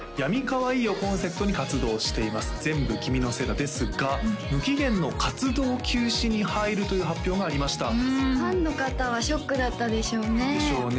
ですが無期限の活動休止に入るという発表がありましたファンの方はショックだったでしょうねでしょうね